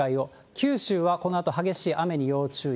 九州はこのあと激しい雨に要注意。